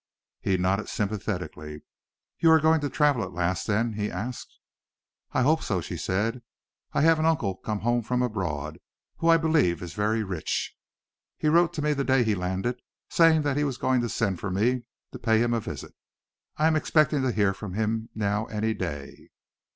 He nodded sympathetically. "You are going to travel at last, then?" he asked. "I hope so," she said. "I have an uncle come home from abroad, who, I believe, is very rich. He wrote to me the day he landed, saying that he was going to send for me to pay him a visit. I am expecting to hear from him now any day."